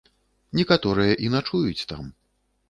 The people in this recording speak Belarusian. Некаторыя і начуюць там.